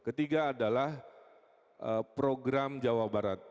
ketiga adalah program jawa barat